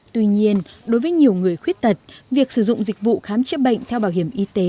tuy nhiên đối với nhiều người khuyết tật việc sử dụng dịch vụ khám chữa bệnh theo bảo hiểm y tế